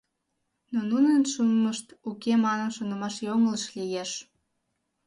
Но нунын шӱмышт уке манын шонымаш йоҥылыш лиеш.